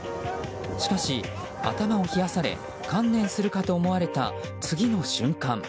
しかし、頭を冷やされ観念するかと思われた次の瞬間